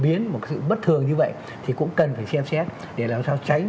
biến một sự bất thường như vậy thì cũng cần phải xem xét để làm sao tránh